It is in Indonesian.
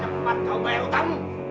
cepat kau bayar utamu